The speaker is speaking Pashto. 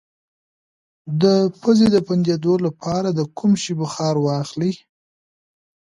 د پوزې د بندیدو لپاره د کوم شي بخار واخلئ؟